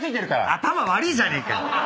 頭悪いじゃねえか！